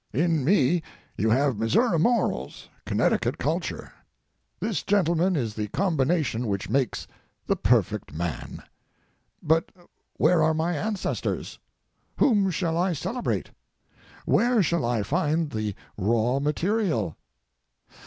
In me, you have Missouri morals, Connecticut culture; this, gentlemen, is the combination which makes the perfect man. But where are my ancestors? Whom shall I celebrate? Where shall I find the raw material?